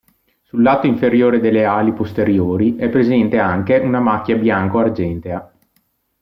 Sul lato inferiore delle ali posteriori è presente anche una macchia bianco-argentea.